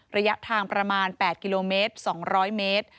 ระยะทางประมาณ๘กิโลเมตร๒๐๐เมตร